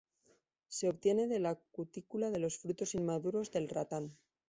Se obtiene de la cutícula de los frutos inmaduros del ratán.